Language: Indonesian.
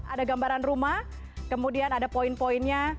ada gambaran rumah kemudian ada poin poinnya